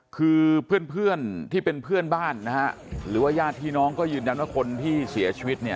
คือเพื่อนที่เป็นเพื่อนบ้านนะฮะหรือว่าญาติพี่น้องก็ยืนยันว่าคนที่เสียชีวิตเนี่ย